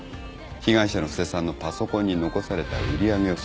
被害者の布施さんのパソコンに残された売り上げ予測。